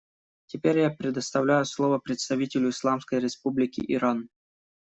Теперь я предоставляю слово представителю Исламской Республики Иран.